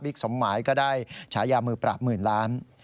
สมหมายก็ได้ฉายามือปราบหมื่นล้าน